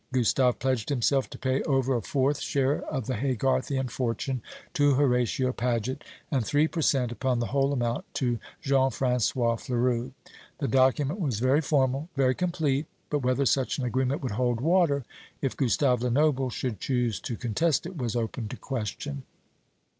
Gustave pledged himself to pay over a fourth share of the Haygarthian fortune to Horatio Paget, and three per cent, upon the whole amount to Jean François Fleurus. The document was very formal, very complete; but whether such an agreement would hold water, if Gustave Lenoble should choose to contest it, was open to question.